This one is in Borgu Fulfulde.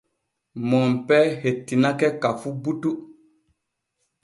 Monpee hettinake ka fu butu.